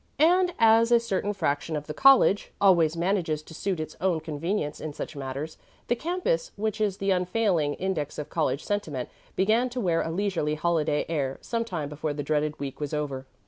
And as a certain faction of the college always manages to suit its own convenience in such matters, the campus, which is the unfailing index of college sentiment, began to wear a leisurely, holiday air some time before the dreaded week was over.